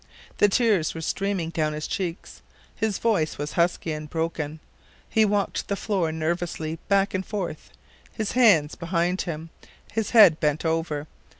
The tears were streaming down his cheeks, his voice was husky and broken, he walked the floor nervously back and forth, his hands behind him, his head bent over.